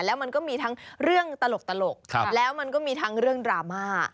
แล้วมันก็มีทั้งเรื่องตลกแล้วมันก็มีทั้งเรื่องดราม่า